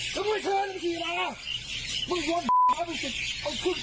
ชันเพิล่งนะอ่ะมิกัง